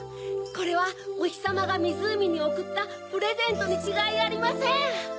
これはおひさまがみずうみにおくったプレゼントにちがいありません！